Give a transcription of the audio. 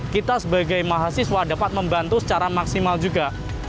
kita sebagai mahasiswa dapat membantu secara maksimal juga